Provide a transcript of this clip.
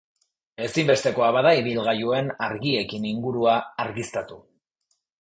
Ezinbestekoa bada ibilgailuen argiekin ingurua argiztatu.